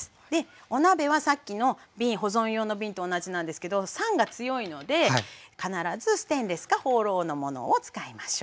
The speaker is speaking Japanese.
お鍋はさっきの保存用の瓶と同じなんですけど酸が強いので必ずステンレスかホウロウのものを使いましょう。